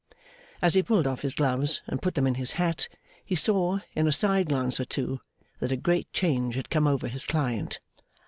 As he pulled off his gloves and put them in his hat, he saw, in a side glance or two, that a great change had come over his client.